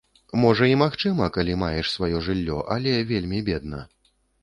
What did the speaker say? Можа, і магчыма, калі маеш сваё жыллё, але вельмі бедна.